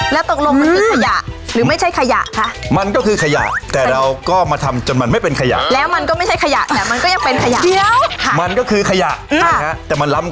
แล้วตกลงมันคือขยะ